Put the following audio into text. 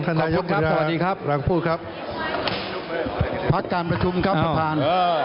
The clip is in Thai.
ขอบคุณครับสวัสดีครับหลังพูดครับพัฒนาอาคารประทุมครับพระภาณ